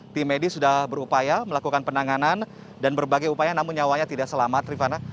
tim medis sudah berupaya melakukan penanganan dan berbagai upaya namun nyawanya tidak selamat rifana